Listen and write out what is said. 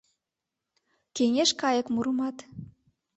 Кеҥеж кайык мурымат